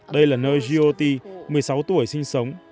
đây là nơi yoti một mươi sáu tuổi sinh sống